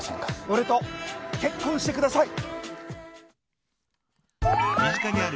俺と結婚してください！